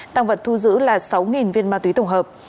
tăng vật thu giữ là sáu viên ma túy tổng hợp